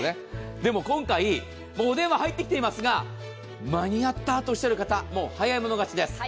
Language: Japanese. でも今回、もうお電話入ってきていますが、間に合ったとおっしゃる方、もう早い者勝ちです。